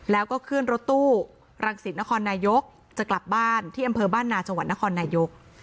แล้วก็ขึ้นรถตู้รังสิตนครนายกจะกลับบ้านที่อำเภอบ้านนาจังหวัดนครนายก